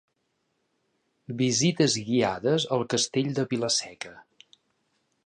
Visites guiades al Castell de Vila-seca.